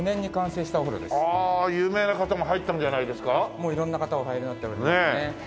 もう色んな方お入りになっておりますね。